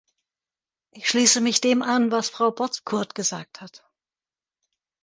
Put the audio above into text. Ich schließe mich dem an, was Frau Bozkurt gesagt hat.